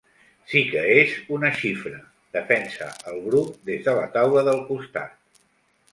Sí que és una xifra —defensa el Bru des de la taula del costat.